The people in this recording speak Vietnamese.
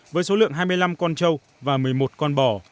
với số lượng hai mươi năm con trâu và một mươi một con bò